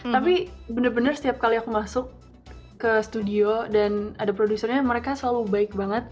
tapi benar benar setiap kali aku masuk ke studio dan ada produsernya mereka selalu baik banget